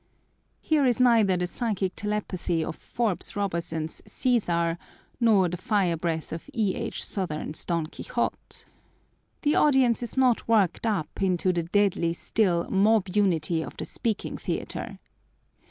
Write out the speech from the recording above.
Here is neither the psychic telepathy of Forbes Robertson's Cæsar, nor the fire breath of E.H. Sothern's Don Quixote. The audience is not worked up into the deadly still mob unity of the speaking theatre.